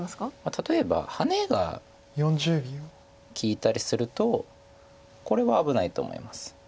例えばハネが利いたりするとこれは危ないと思います。